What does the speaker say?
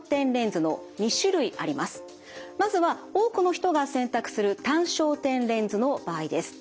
まずは多くの人が選択する単焦点レンズの場合です。